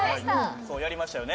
そうやりましたよね。